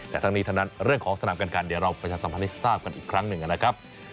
แต่ทั้งนี้ทั้งนั้นเรื่องของสนามการเดี๋ยวเราประชาสัมพันธ์ให้ทราบกันอีกครั้งหนึ่งนะครับ